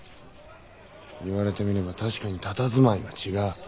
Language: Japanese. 言われてみれば確かにたたずまいが違う。